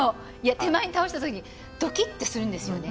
手前に倒した時ドキッとするんですよね。